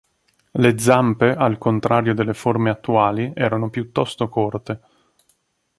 Le zampe, al contrario delle forme attuali, erano piuttosto corte.